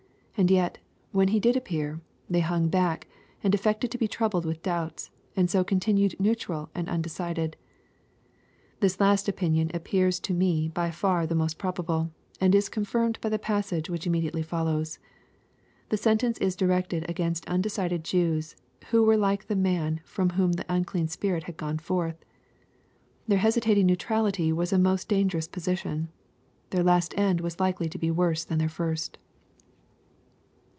And yet, when He did appear, they hung back and affected to be troubled with doubts, and so continued neutral and undecided. — This last opinion appears to me by far the most probable, and is confirmed by the passage which im mediately follows. The sentence is directed against undecided Jews, who were like the man firom whom the unclean spirit had gone forth. Their hesitating neutrality was a most dan gerous position. Their last end was hkely to be worse than their first.